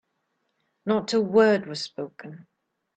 Not a word was spoken.